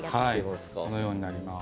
このようになります。